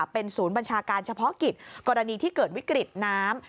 เป็นศูนย์บัญชาการเฉพาะกิจกรณีที่เกิดวิกฤตน้ำ